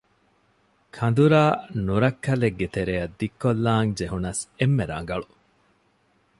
ކަނދުރާ ނުރައްކަލެއްގެ ތެރެއަށް ދިއްކޮށްލާން ޖެހުނަސް އެންމެ ރަނގަޅު